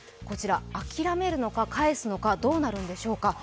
諦めるのか、返すのか、どうなるんでしょうか。